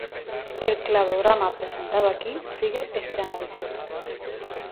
El cladograma presentado aquí sigue este análisis.